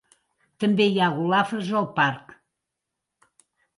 També hi ha golafres al parc.